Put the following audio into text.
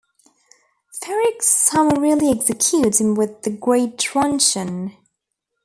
Feric summarily executes him with the Great Truncheon.